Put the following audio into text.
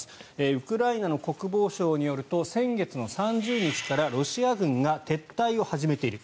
ウクライナの国防省によると先月３０日からロシア軍が撤退を始めている。